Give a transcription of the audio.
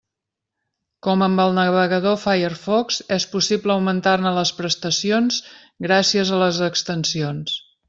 Com amb el navegador Firefox, és possible augmentar-ne les prestacions gràcies a les extensions.